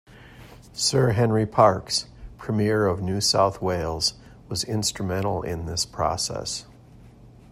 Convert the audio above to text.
Sir Henry Parkes, Premier of New South Wales, was instrumental in this process.